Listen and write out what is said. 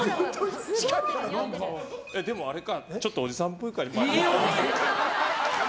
でも、あれか。